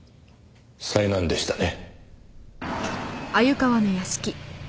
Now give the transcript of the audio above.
災難でしたね。